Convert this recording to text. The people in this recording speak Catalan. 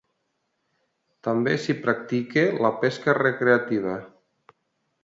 També s'hi practica la pesca recreativa.